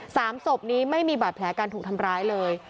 สามศพนี้ไม่มีบาดแผลการถูกทำร้ายเลย